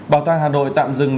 bảo tàng hà nội tạm dừng